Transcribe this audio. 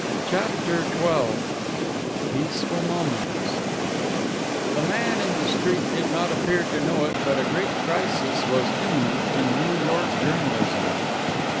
CHAPTER XII "PEACEFUL MOMENTS" The man in the street did not appear to know it, but a great crisis was imminent in New York journalism.